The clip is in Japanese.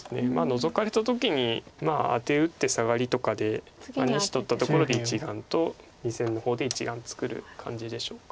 ノゾかれた時にアテ打ってサガリとかで２子取ったところで１眼と２線の方で１眼作る感じでしょうか。